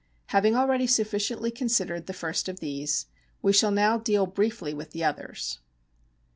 Having ah eady sufficiently considered the first of these, we shall now deal briefly with the others.